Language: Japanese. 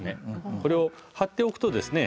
これを張っておくとですね